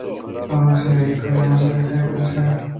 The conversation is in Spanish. Aun así, Victoria no se dejará vencer.